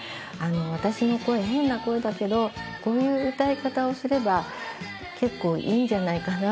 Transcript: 私の声変な声だけどこういう歌い方をすれば結構いいんじゃないかな？